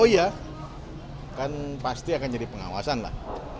oh ya kan pasti akan jadi pengawasan lah